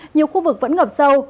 nhiều khu vực vẫn ngập sâu